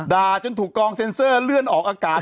จนถูกกองเซ็นเซอร์เลื่อนออกอากาศ